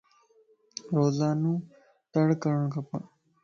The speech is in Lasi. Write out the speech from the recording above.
روزانو تڙ ڪرڻ کپ